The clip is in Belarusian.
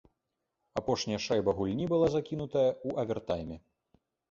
Апошняя шайба гульні была закінутая ў авертайме.